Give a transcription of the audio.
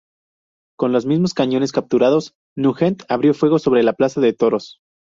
Con los mismos cañones capturados, Nugent abrió fuego sobre la Plaza de Toros.